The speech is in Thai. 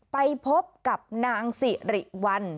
ไปพบกับนางสิริวัล